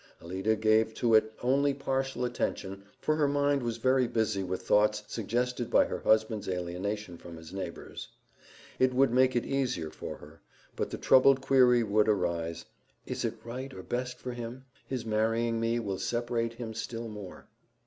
Alida gave to it only partial attention for her mind was very busy with thoughts suggested by her husband's alienation from his neighbors. It would make it easier for her, but the troubled query would arise, "Is it right or best for him? His marrying me will separate him still more."